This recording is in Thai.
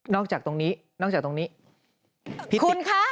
จากตรงนี้นอกจากตรงนี้คุณคะ